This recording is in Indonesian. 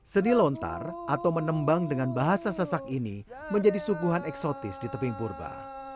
sedi lontar atau menembang dengan bahasa sesak ini menjadi suguhan eksotis di tebing purba